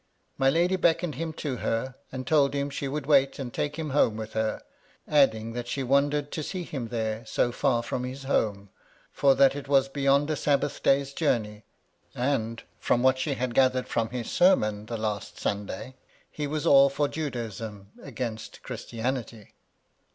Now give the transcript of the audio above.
My lady beckoned him to her, and told him she should wait and take him home with her, adding that she wondered to see him there, so tar from his home, for that it was beyond a Sabbath day's journey, and, from what she had gathered from his sermon the last Sunday, he was all for Judaism against Christianity.